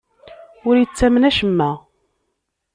Ur ittamen acemma.